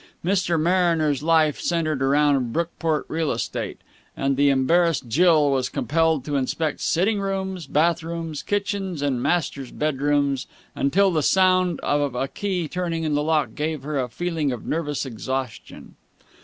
Mr. Mariner's life centred around Brookport real estate, and the embarrassed Jill was compelled to inspect sitting rooms, bathrooms, kitchens, and master's bedrooms till the sound of a key turning in a lock gave her a feeling of nervous exhaustion.